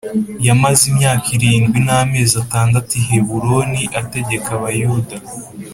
Yamaze imyaka irindwi n’amezi atandatu i Heburoni, ategeka Abayuda